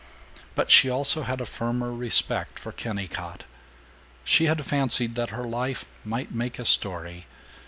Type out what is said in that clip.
But she also had a firmer respect for Kennicott. She had fancied that her life might make a story.